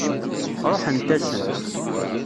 Ṛuḥent-asen.